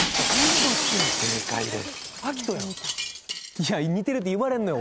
いや似てるって言われんのよ